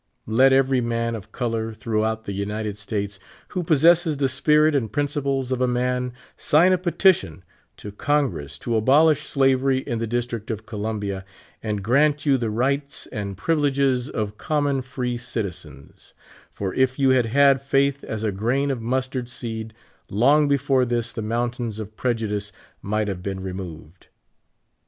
Let every man of color throughout the United States, who possesses the spirit and principles of a man, sign a petition to Con gress to abolish slavery in the District of Columbia, and grant you the rights and privileges of common free citi zens ; for if you had had faitb as a grain of mustard seed, long before this the mountains of prejudice might have been removed.